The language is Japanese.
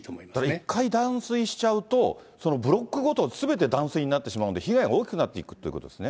一回断水しちゃうと、ブロックごと、すべて断水になってしまうんで、被害が大きくなっていくということですね。